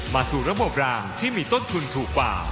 สู่ระบบรางที่มีต้นทุนถูกกว่า